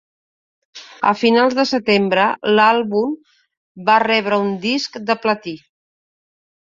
A finals de setembre, l'àlbum va rebre un Disc de Platí.